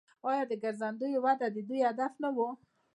آیا د ګرځندوی وده د دوی هدف نه دی؟